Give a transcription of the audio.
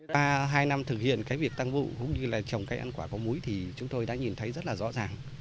qua hai năm thực hiện cái việc tăng vụ cũng như là trồng cây ăn quả có múi thì chúng tôi đã nhìn thấy rất là rõ ràng